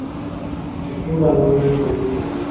چې ټول ارمانونه مې له منځه ځي .